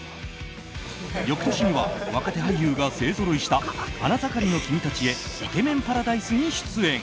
翌年には若手俳優が勢ぞろいした「花ざかりの君たちへイケメン♂パラダイス」に出演。